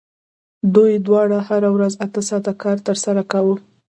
دوی دواړو هره ورځ اته ساعته کار ترسره کاوه